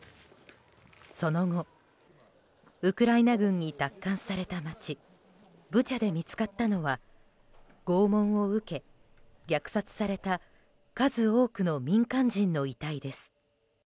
その後ウクライナ軍に奪還された街ブチャで見つかったのは拷問を受け、虐殺された数多くの民間人の遺体です。